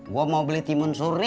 gue mau beli timun suri